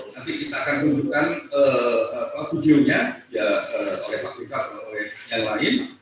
nanti kita akan menunjukkan videonya ya oleh pak bika oleh yang lain